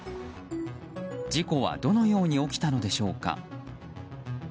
事故はどのように起きたのでしょうか。